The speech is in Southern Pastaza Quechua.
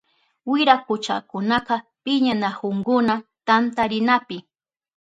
Wirakuchakunaka piñanakuhunkuna tantarinapi.